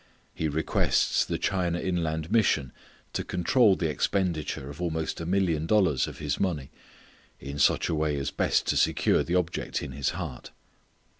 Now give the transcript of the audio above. He requests the China Inland Mission to control the expenditure of almost a million dollars of his money in such a way as best to secure the object in his heart.